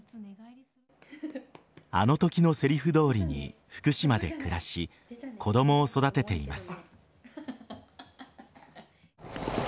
あのときのせりふどおりに福島で暮らし子供を育てています。